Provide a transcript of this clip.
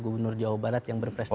gubernur jawa barat yang berprestasi